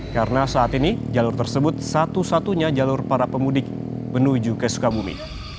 karena saat ini jalur tersebut satu satunya jalur para pemudik menuju ke sukabumi